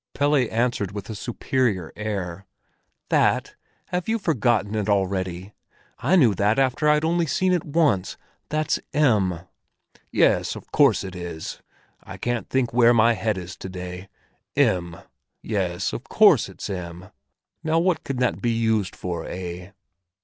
Pelle answered with a superior air: "That? Have you forgotten it already? I knew that after I'd only seen it once! That's M." "Yes, of course it is! I can't think where my head is to day. M, yes—of course it's M! Now what can that be used for, eh?"